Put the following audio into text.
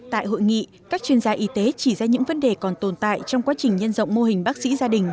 tại hội nghị các chuyên gia y tế chỉ ra những vấn đề còn tồn tại trong quá trình nhân rộng mô hình bác sĩ gia đình